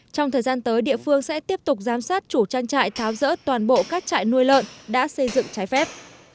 trong thời gian tới địa phương sẽ tiếp tục giám sát chủ trang trại tháo rỡ toàn bộ các trại nuôi lợn đã xây dựng trái phép